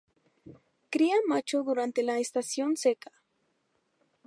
Cría macho durante la estación seca.